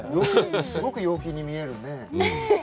すごく陽気に見えるね。